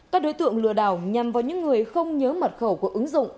các đối tượng lừa đảo nhằm vào những người không nhớ mật khẩu của ứng dụng